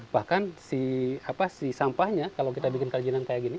bahkan si sampahnya kalau kita bikin kerajinan kayak gini